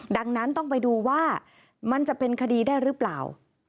ดังนั้นต้องไปดูว่ามันจะเป็นคดีได้หรือเปล่า